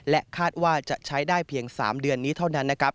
คาดว่าจะใช้ได้เพียง๓เดือนนี้เท่านั้นนะครับ